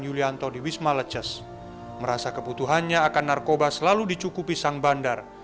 yulianto di wisma leces merasa kebutuhannya akan narkoba selalu dicukupi sang bandar